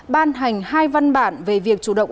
ban hành hai văn bản về việc chủ động